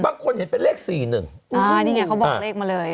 บางคนเห็นเป็นเลข๔๑นี่ไงเขาบอกเลขมาเลย